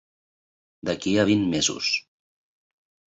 D'aquí a vint mesos.